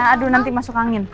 aduh nanti masuk angin